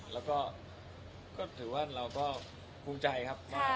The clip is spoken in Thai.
แล้วก็ถือว่าเราก็ภูมิใจครับ